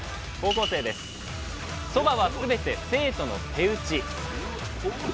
そばは全て生徒の手打ち。